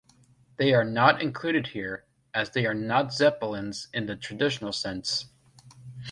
They are not included here, as they are not Zeppelins in the traditional sense.